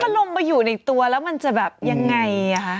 ถ้าลงไปอยู่ในตัวแล้วมันจะแบบยังไงคะ